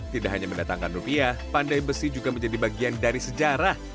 tidak hanya mendatangkan rupiah pandai besi juga menjadi bagian dari sejarah